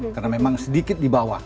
karena memang sedikit di bawah